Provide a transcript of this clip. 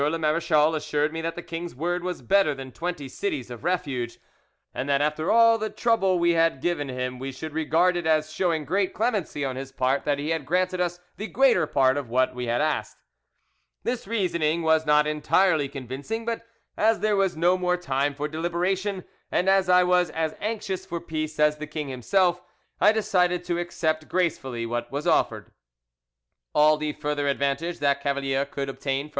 le marechal assured me that the king's word was better than twenty cities of refuge, and that after all the trouble we had given him we should regard it as showing great clemency on his part that he had granted us the greater part of what we had asked. This reasoning was not entirely convincing, but as there was no more time for deliberation, and as I was as anxious for peace as the king himself, I decided to accept gracefully what was offered." All the further advantage that Cavalier could obtain from M.